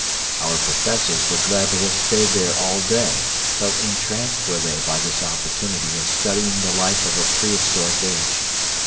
Our professors would gladly have stayed there all day, so entranced were they by this opportunity of studying the life of a prehistoric age.